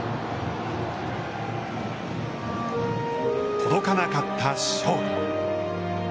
届かなかった勝利。